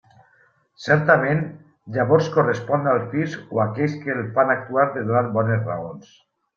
Certament, llavors correspon al fisc o a aquells que el fan actuar de donar bones raons.